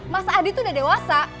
mas adi itu udah dewasa